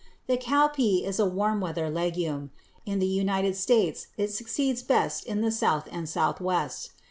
The cowpea is a warm weather legume. In the United States it succeeds best in the south and southwest.